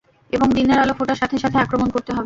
এবং দিনের আলো ফোটার সাথে সাথে আক্রমণ করতে হবে।